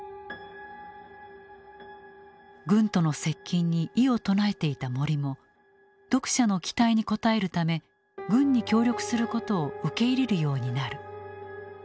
軍との接近に異を唱えていた森も読者の期待に応えるため軍に協力することを受け入れるようになる。